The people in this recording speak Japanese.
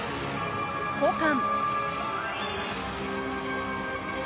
交換。